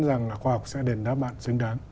rằng khoa học sẽ đền đáp bạn xứng đáng